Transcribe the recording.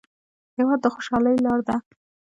هېواد د خوشحالۍ لار ده.